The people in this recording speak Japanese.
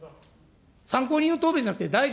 参考人の答弁じゃなくて、大臣、